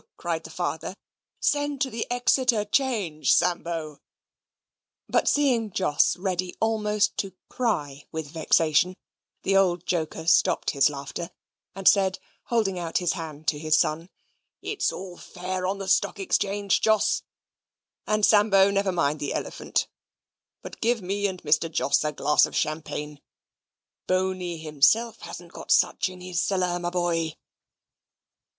cried the father. "Send to Exeter 'Change, Sambo"; but seeing Jos ready almost to cry with vexation, the old joker stopped his laughter, and said, holding out his hand to his son, "It's all fair on the Stock Exchange, Jos and, Sambo, never mind the elephant, but give me and Mr. Jos a glass of Champagne. Boney himself hasn't got such in his cellar, my boy!"